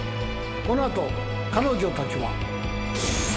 この後彼女たちは。